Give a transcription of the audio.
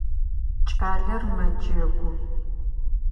Кӏалэр мэджэгу.